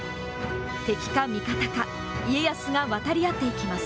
敵か味方か、家康が渡り合っていきます。